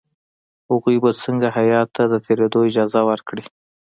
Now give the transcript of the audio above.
هغوی به څنګه هیات ته د تېرېدلو اجازه ورکړي.